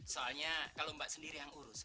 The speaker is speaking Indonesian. soalnya kalau mbak sendiri yang urus